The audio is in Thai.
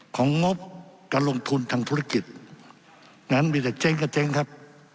งบการลงทุนทางธุรกิจนั้นมีแต่เจ๊งกับเจ๊งครับ